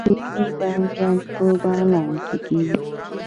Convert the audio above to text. رومي بانجان په بغلان کې کیږي